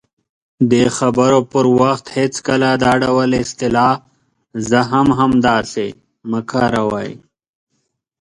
-د خبرو پر وخت هېڅکله دا ډول اصطلاح"زه هم همداسې" مه کاروئ :